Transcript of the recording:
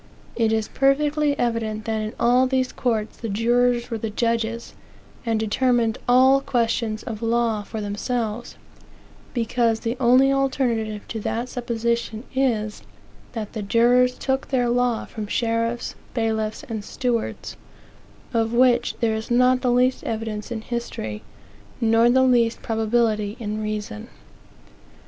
It is perfectly evident that in all these courts the jurors were the judges, and determined all questions of law for themselves; because the only alternative to that supposition is, that the jurors took their law from sheriffs, bailiffs, and stewards, of which there is not the least evidence in history, nor the least probability in reason.